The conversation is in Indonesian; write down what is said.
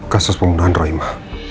kasus pembunuhan roy ma